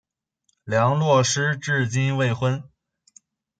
梁洛施至今未婚。